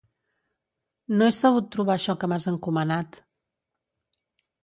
No he sabut trobar això que m'has encomanat.